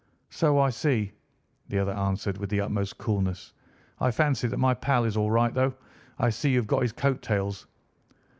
"So I see," the other answered with the utmost coolness. "I fancy that my pal is all right, though I see you have got his coat tails."